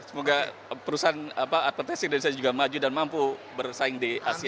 semoga perusahaan apa advertising dari saya juga maju dan mampu bersaing di asia